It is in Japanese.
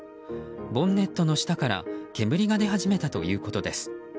ボンネットの下から煙が出始めたということです。